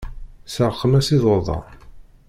Seṛqem-as iḍudan.